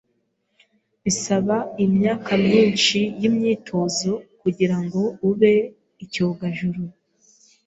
Bisaba imyaka myinshi yimyitozo kugirango ube icyogajuru.